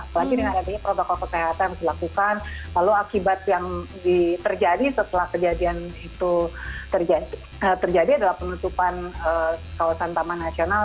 apalagi dengan adanya protokol kesehatan harus dilakukan lalu akibat yang terjadi setelah kejadian itu terjadi adalah penutupan kawasan taman nasional